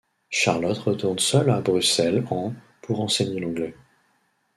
Charlotte retourne seule à Bruxelles en pour enseigner l'anglais.